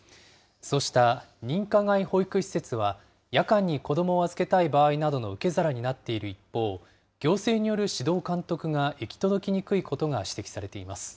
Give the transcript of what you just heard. そうした認可外保育施設は、夜間に子どもを預けたい場合などの受け皿になっている一方、行政による指導監督が行き届きにくいことが指摘されています。